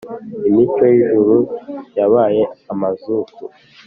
imico y'ijuru yabaye amazuku